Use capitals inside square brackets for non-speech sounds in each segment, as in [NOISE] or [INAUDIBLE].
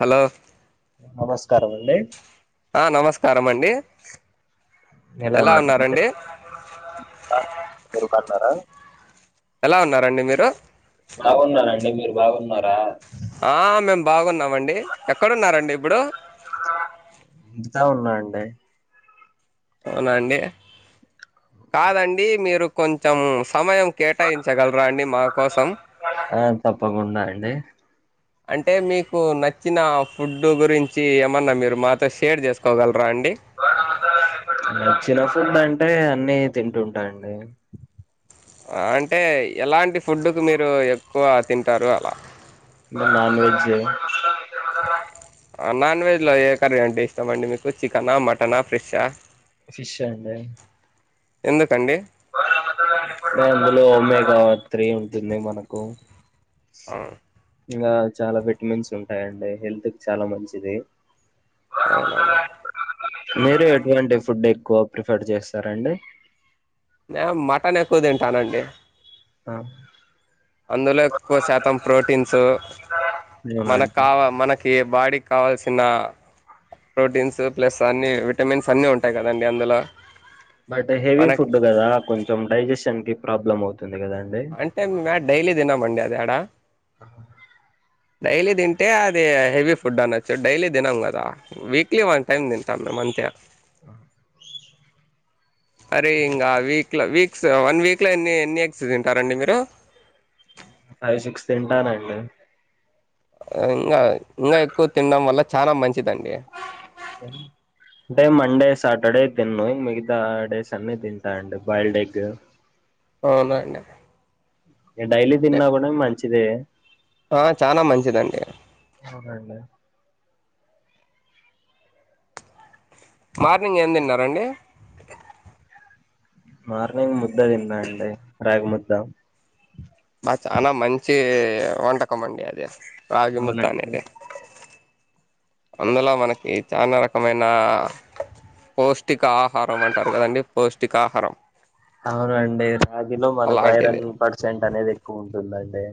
Hello నమస్కారం అండి ఆ నమస్కారం అండి ఎలా ఉన్నారు [INAUDIBLE] మీరు కొన్నారా ఎలా ఉన్నారండి మీరు బాగున్నానండి మీరు బాగున్నారా ఆ మేము బాగున్నామండి ఎక్కడున్నారండి ఇప్పుడు ఇంటితాన ఉన్నాఅండి అవునా అండి కాదండి మీరు కొంచెం సమయం కేటాయించగలరా అండి మా కోసం ఆ తప్పకుండా అండి అంటే మీకు నచ్చిన ఫుడ్ గురించి ఏమన్నా మీరు మాత స్ షేర్ చేసుకోగలరా అండి నచ్చిన ఫుడ్ అంటే అన్ని తింటుంటా అండి అంటే ఎలాంటి ఫుడ్డుకు మీరు ఎక్కువ తింటారు అలా నాన్ వెజ్ నాన్ వెజ్లో ఏ కర్రీ అంటే ఇష్టంమండి మీకు చికెనా మటనా ఫీష్షా ఫిష్ అండి ఎందుకండి అందులో ఒ మేగా త్రీ ఉంటుంది మనకు ఆ ఇంకా చాలా విటమిన్స్ ఉంటాయండి హెల్త్ కి చాలా మంచిది అవునవును మీరు ఎటువంటి ఫుడ్ ఎక్కువ ప్రిఫర్ చేస్తారండి మేం మటన్ ఎక్కువ తింటానండి ఆ అందులో ఎక్కువ శాతం ప్రోటీన్స్ అవునండి మనక్కావ మనక్ కి బాడిక్కావాల్సిన ప్రోటీన్స్ ప్లస్ అన్ని విటమిన్స్ అన్ని ఉంటాయి కదండి అందులో బట్ హెవీ మనకి ఫుడ్ కదా కొంచెం డైజెషన్ కి ప్రాబ్లం అవుతుంది కదా అండి అంటే మ డైలీ దినమండి అది ఎడా ఆహా డైలీ తింటే అది హెవీ ఫుడ్ అనొచ్చు డైలీ తినం కదా వీక్లీ వన్ టైం తింటాన్నం అంతే అరే ఇంకా వీక్లో వీక్స్ వన్ వీక్లో ఎన్ని ఎన్ని ఎగ్స్ తింటారండి మీరు ఆవి సిక్స్ తింటానండి ఇంకా ఇంకా ఎక్కువ తినడం వల్ల చానా మంచిదండి [INAUDIBLE] అంటే మండే సాటర్డే తిన్ను మిగతా డేస్ అన్ని తింటా అండి బాయిల్డ్ ఎగ్ అవునండి నేను డైలీ తిన్నా కూడా మంచిదే ఆహా చానా మంచిదండి అవునా అండి మార్నింగ్ ఏం తిన్నారండి మార్నింగ్ ముద్దే తిన్నా అండి రాగి ముద్ద బ చాల మంచి వంటకం అండి అది రాగి ముద్ద అవునండి అనేది... అందులో మనకి చాలా రకమైన పౌష్టిక ఆహారం అంటారు కదండి పౌష్టికాహారం అవునండి రాగిలో మనకు అలాంటిది ఐరన్ పర్సెంట్ అనేది ఎక్కువ ఉంటుందండి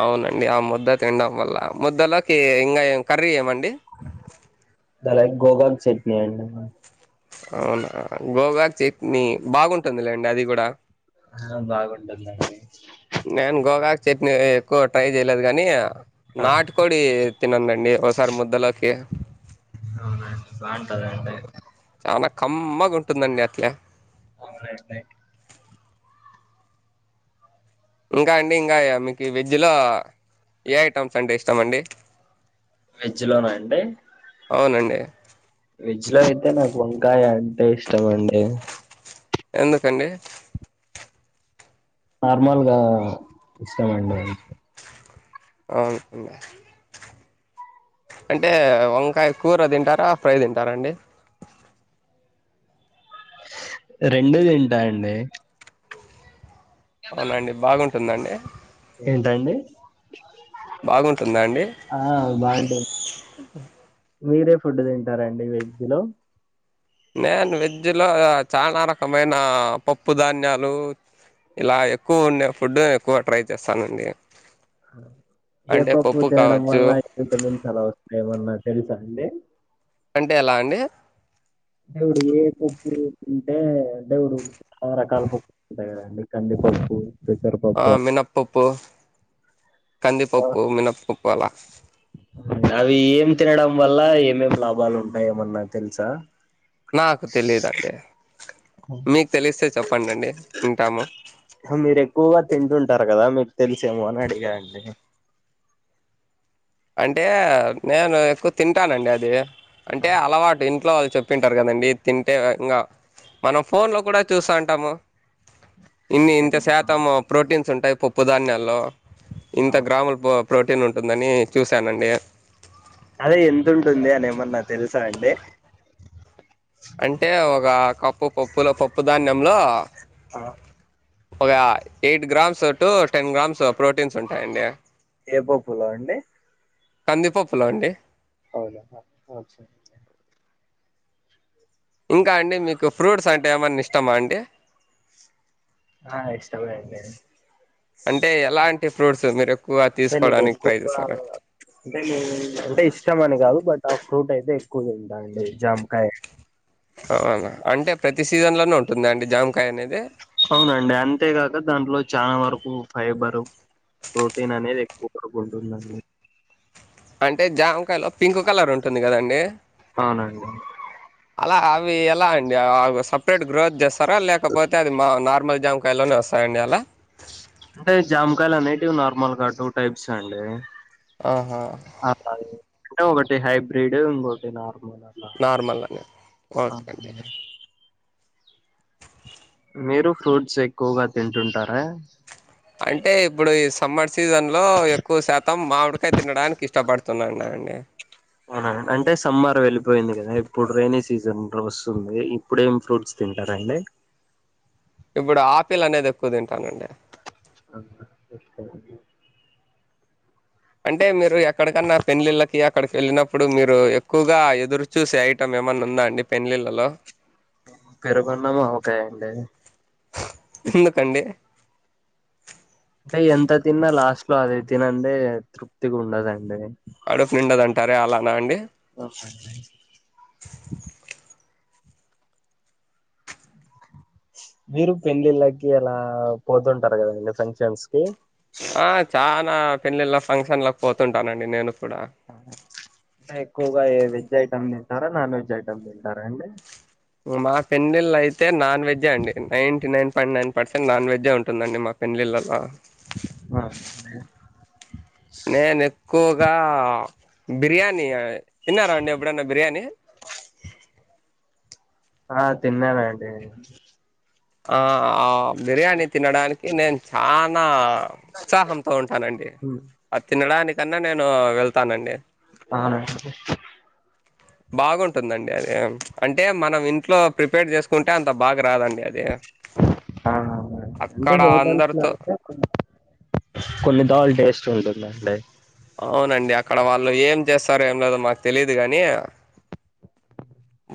అవునండి ఆ ముద్ద తినడం వల్ల ముద్దలోకి ఇంకా ఏ కర్రీ ఏమండి శనగ గోగాక్ చట్నీ అండి అవునా గోగాక్ చట్నీ బాగుంటుందిలేండి అది కూడా ఆ బాగుంటదిండి నేను గోగాక్ చట్నీ ఎక్కువ ట్రై చేయలేదు కానీ నాటుకోడి తినండండి ఒకసారి ముద్దలోకి అవున అండి బాగుంటదఅండి చానా కమ్మగా ఉంటుందండి అట్లా అవునా అండి ఇంకా అండి ఇంకా మీకు వెజ్లో ఏ ఐటమ్స్ అంటే ఇష్టం అండి వెజ్ లోన అండి అవునండి వెజ్ లో అయితే నాకు వంకాయ అంటే ఇష్టమండి ఎందుకండి నార్మల్గా ఇష్టమండి అవునా అండి అంటే వంకాయ కూర తింటారా ఫ్రై తింటారా అండి రెండు తింటా అండి అవునా అండి బాగుంటుందా అండి ఏంటండీ బాగుంటుందా అండి ఆ బాగుంటుంది మీరే ఫుడ్ తింటారండి వెజ్ లో నేను వెజ్లో చాలా రకమైన పప్పు ధాన్యాలు ఇలా ఎక్కువ ఉండే ఫుడ్ ఎక్కువ ట్రై చేస్తానండి ఏ అంటే పప్పు తినడం కావచ్చు వల్ల ఏ విటమిన్స్ వస్తాయో ఏమన్నా తెలుసా అండి అంటే ఎలా అండి ఇప్పుడు ఏ పప్పు తింటే దేవుడు చాలా రకాల పప్పు ఉంటాయండి కంది పప్పు. ఆ మినప్పప్పు కందిపప్పు మినప్పప్పు అలా అవి ఏం తినడం వల్ల ఏమేమి లాభాలు ఉంటాయి ఏమన్నా తెలుసా నాకు తెలీదండి మీకు తెలిస్తే చెప్పండి వింటాము మీరు ఎక్కువగా తింటుంటారు కదా మీకు తెలిసేమో అని అడిగానండి అంటే నేను ఎక్కువ తింటానండి అది అంటే అలవాటు ఇట్లో వాళ్ళు చెప్పింటారు కదండి తింటే ఇకా మనం ఫోన్ లో కూడా చూస్తా ఉంటాము. ఇన్ని ఇంత శాతం ప్రోటీన్స్ ఉంటాయి పప్పు ధాన్యాల్లో ఇంత గ్రాముల పో ప్రోటీన్ ఉంటుందని చూశానండి అదే ఎంత ఉంటుంది అని ఏమన్నా తెలుసా అండి అంటే ఒక కప్పు పప్పులో పప్పు ధాన్యంలో. ఒక eight grams to ten grams proteins ఉంటాయండి ఏ పప్పులో అండి కందిపప్పులో అండి అవునా ఇంకా అండి మీకు ఫ్రూట్స్ అంటే ఏమన్నా ఇష్టమా అండి ఆ ఇష్టమే అండి అంటే ఎలాంటి ఫ్రూట్స్ మీరు ఎక్కువ తీసుకోవడానికి ట్రై చేస్తారు లే లే అంటే ఇష్టం అని కాదు బట్ ఆ ఫ్రూట్ అయితే ఎక్కువగా ఉంటాయి అండి జామకాయ అవునా అంటే ప్రతి సీజన్ లోనూ ఉంటుందా అండి జామకాయ అనేది అవునండి అంతేగాక దాంట్లో చాలా వరకు ఫైబరు ప్రోటీన్ అనేది ఎక్కువగా ఉంటుంది అండి అంటే జామకాయలు పింక్ కలర్ ఉంటుంది కదా అండి అవునండి అలా అవి ఎలా అండి ఆ సపరేట్ గ్రోత్ చేస్తారా లేకపోతే అది మా నార్మల్ జాము కాయలోనే వస్తాయండీ అలా అంటే జామకాయలు అనేటివి నార్మల్గా టూ టైప్స్ అండి ఆహా మకాయలు అంటే ఒకటి హైబ్రిడ్ ఇంకోటి నార్మల్ అలా నార్మల్ లనే ఓకే అండి అవునండి మీరు ఫ్రూట్స్ ఎక్కువగా తింటుంటారా అంటే ఇప్పుడు ఈ సమ్మర్ సీజన్ లో ఎక్కువ శాతం మామిడికాయ తినడానికి ఇష్టపడు తున్నన్న అండి ఆ అంటే సమ్మర్ వెళ్ళిపోయింది కదా ఇప్పుడు రెైనీ సీజన్ రోస్తుంది ఇప్పుడేం ఫ్రూట్స్ తింటారండి ఇప్పుడు ఆపిల్ అనేది ఎక్కువ తింటానండి ఆహా ఇస్తామండి అంటే మీరు ఎక్కడికన్నా పెళ్లిండ్లకి అక్కడికి వెళ్ళినప్పుడు మీరు ఎక్కువగా ఎదురు చూసే ఐటమ్ ఏమన్నా ఉందా అండి పెళ్లిండ్లలో పెరుగు అన్నం ఆవకాయ అండి ఎందుకండి అంటే ఎంత తిన్నా లాస్ట్ లో అదే తినందే తృప్తిగా ఉండదండి కడుపు నిండదు అంటారే అలానా అండి అవును అండి మీరు పెళ్లిండ్లకి అలా పోతుంటారు కదా ఫంక్షన్స్ కి ఆ చానా పెళ్లిండ్ల ఫంక్షన్స్లకి పోతుంటానండి నేను కూడా ఎక్కువగా ఏ వెజ్ ఐటమ్ తింటారా నాన్ వెజ్ ఐటమ్ తింటారా అండి మా పెళ్లిండ్ల అయితే నాన్ వెజ్ అండి ninety nine point nine percent non veg ఉంటుందండి మాకు పెళ్ళిండ్లకా బ అ [UNINTELLIGIBLE] నేను ఎక్కువగా బిర్యానీ తిన్నారా అండి ఎప్పుడన్నా బిర్యానీ ఆ తిన్నానండీ ఆ ఆ బిర్యానీ తినడానికి నేను చానా ఉత్సాహంతో ఉంటానండి ఆ తినడానికన్నా నేను వెళ్తానండి అవునా అండి బాగుంటుందండి అది అంటే మనం ఇంట్లో ప్రిపేర్ చేసుకుంటే అంత బాగా రాదండి అది అంటే అక్కడ హోటల్స్ లో అందరితో అయితే కొన్ని దాల్ టేస్ట్ ఉంటుందండి అవునండి అక్కడ వాళ్ళు ఏం చేస్తారు ఏం లేదో మాకు తెలియదు గాని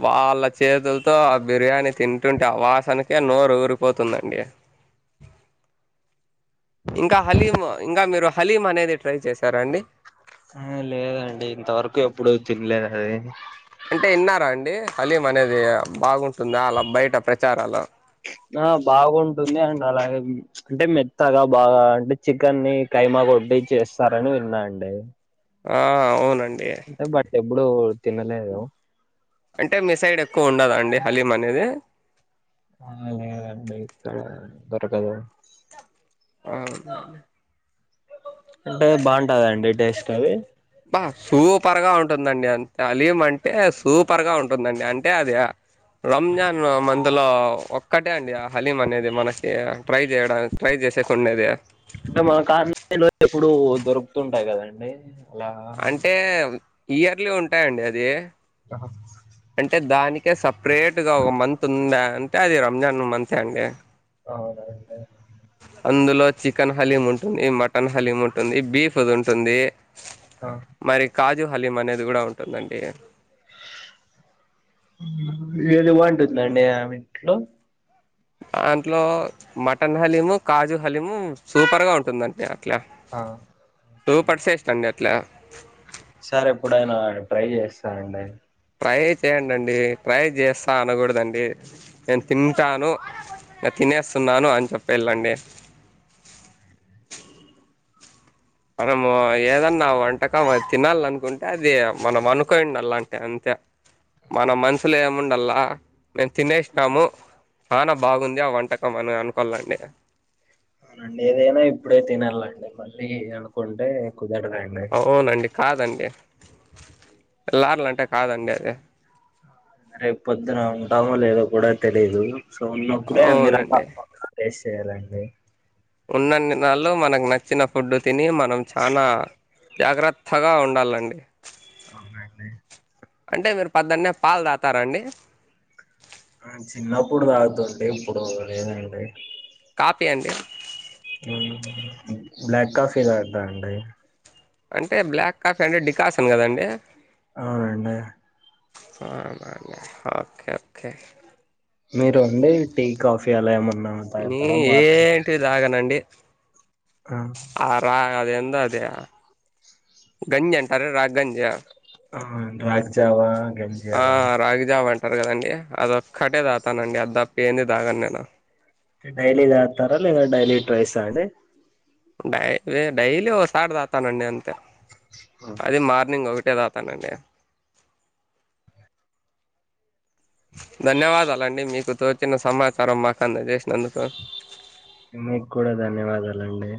వాళ్ళ చేతులతో ఆ బిర్యానీ తింటుంటే ఆ వాసనకే నోరూరిపోతుందండి. ఇంకా హలీం ఇంకా మీరు హలీం అనేది ట్రై చేసారా అండి ఆ లేదండి ఇంతవరకు ఎప్పుడు తినలేదది అంటే ఇన్నారా అండి హలీం అనేది బాగుంటుందా అలా బయట ప్రచారాలు ఆ బాగుంటుంది అండ్ అలాగే అంటే మెత్తగా బాగా అంటే చికెన్ని కైమా కొడ్డి చేస్తారని విన్నా అండి ఆ అవునండి బట్ ఎప్పుడూ తినలేదు అంటే మీ సైడ్ ఎక్కువుండదా అండి హలీం అనేది ఆ లేదండి దొరకదు ఆ అంటే బాంటాద అండి టేస్ట్ అది బా సూపర్ గా ఉంటుందండి అంతే అలీం అంటే సూపర్ గా ఉంటుందండి అంటే అది రంజాన్లో మందలో ఒక్కటే అండి ఆ హలీం అనేది మనకి ట్రై చేయడాని ట్రై చేసేకుండేది అంటే మన [UNINTELLIGIBLE] లో ఎప్పుడు దొరుకుతుంటాయి కదండి అంటే ఇయర్లీ ఉంటాయండది ఆహా! అంటే దానికే సపరేట్ గా ఒక మంత్ ఉందా అంటే అది రంజాన్ మంత్ అండి అవునండి అందులో చికెన్ హలీం ఉంటుంది, మటన్ హలీం ఉంటుంది, బీఫ్ అదుంటుంది. ఆ మరి కాజు హలిం అనేది కూడా ఉంటుందండి ఏది వంటుందండి ఆమింట్లో దాంట్లో మటన్ హలీము, కాజు హలీము సూపర్ గా ఉంటుందంతే. అట్లా ఆ టూ పర్సేస్ అండట్లా సార్ ఎప్పుడైనా ట్రై చేస్తానండి ట్రై చేయండండి ట్రై చేస్తా అనకూడదండి నేను తింటాను ఆ తినేస్తున్నాను అని చెప్పేళ్ళండి మనము ఏదన్నా వంటకం అ తినాలనుకుంటే అది మనం అనుకోండిలా అంటె అంతే మన మనుసులో ఏముండల్లా మేము తినేసినాము చానా బాగుంది ఆ వంటకం అననుకోలండి అండ్ ఏదైనా ఇప్పుడే తినాలండి మళ్ళీ అనుకుంటే కుదరదండి అవునండి కాదండి ఎల్లార్లంటే కాదండది రేపు పొద్దున ఉంటామో లేదో కూడా తెలీదు సో ఉన్నప్పుడే అన్ని అవునండి రకాల అ ఫేస్ట్ చేయాలండి ఉన్నన్ని నాళ్లు మనకు నచ్చిన ఫుడ్డు తిని మనం చానా జాగ్రత్త గా ఉండాలండి అవునండి అంటే మీరు పద్దన్నే పాలు దాతారండి ఆ చిన్నప్పుడు తాగుతుండే ఇప్పుడు లేదండి కాపీ అండి ఉమ్ బ్లక్ కాఫీ తాగుతా అండి అంటే బ్లాక్ కాఫీ అంటే డికాసన్ కదండి అవునండి అవునండి ఓకే ఓకే మీరు అండి టీ కాఫీ అలా ఏమన్నా నీ తాగుతారా మార్నింగ్ ఏంటివి తాగనండి ఆ ఆ రా అద ఎంద అదే గంజి అంటార రా గంజి ఆ రాగ్జావా ఆ రాగిజావ అంటారు కదండి అదోక్కటే తగ్తనండి అది తప్ప ఏంది దాగాను నేను డైలీ తాగుతార లేద డైలీ ట్వైస్ ఆ అండి డై డైలీ ఓసార్ దాతానండి అంతే ఆ అది మార్నింగ్ ఒకటే తాగతానండి ధన్యవాదాలండి మీకు తోచిన సమాచారం మాకు అందజేసినందుకు మీకు కూడా ధన్యవాదాలండి